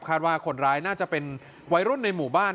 ว่าคนร้ายน่าจะเป็นวัยรุ่นในหมู่บ้าน